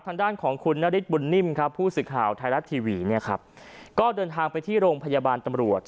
ทางด้านของนริสต์ปุหนนิ่มผู้สื่อข่าวไทยรัชทีวีก็เดินทางไปที่โรงพยาบาลตำรวจ